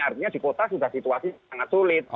artinya di kota sudah situasi sangat sulit